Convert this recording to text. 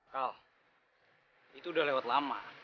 kalau itu udah lewat lama